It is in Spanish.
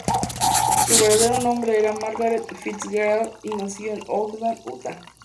Su verdadero nombre era Margaret Fitzgerald, y nació en Ogden, Utah.